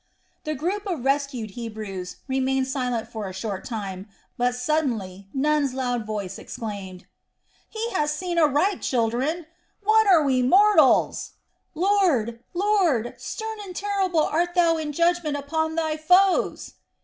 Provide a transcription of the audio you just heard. The group of rescued Hebrews remained silent for a short time; but suddenly Nun's loud voice exclaimed: "He has seen aright, children! What are we mortals! Lord, Lord! Stern and terrible art Thou in judgment upon Thy foes!"